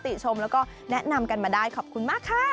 ชมแล้วก็แนะนำกันมาได้ขอบคุณมากค่ะ